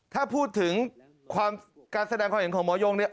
ถ้าพูดถึงการแสดงความเห็นของหมอยงเนี่ย